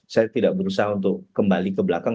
saya tidak berusaha untuk kembali ke belakang